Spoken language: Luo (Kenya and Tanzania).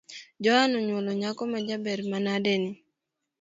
Joan onywolo nyako majaber manade ni